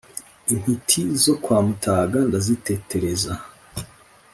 intiti zo kwa mutaga ndazitetereza